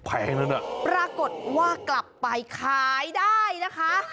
แพงนั้นอ่ะปรากฏว่ากลับไปขายได้นะคะ